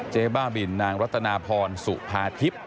บ้าบินนางรัตนาพรสุภาทิพย์